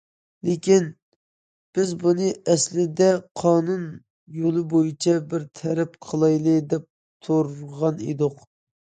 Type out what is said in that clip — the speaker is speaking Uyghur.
لېكىن...... بىز بۇنى ئەسلىدە قانۇن يولى بويىچە بىر تەرەپ قىلايلى دەپ تۇرغان ئىدۇق.